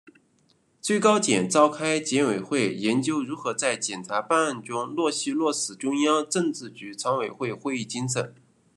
最高检召开检委会研究如何在检察办案中落细落实中央政治局常委会会议精神